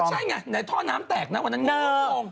ก็ใช่ไงเดี๋ยวท่อน้ำแตกนะวันนั้น